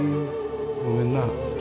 ごめんな